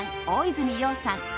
大泉洋さん